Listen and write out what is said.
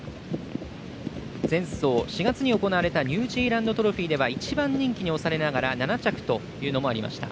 前走、４月に行われたニュージーランドトロフィーでは１番人気に推されながら７着というところがありました。